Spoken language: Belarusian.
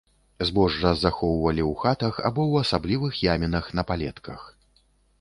Збожжа захоўвалі ў хатах або ў асаблівых ямінах на палетках.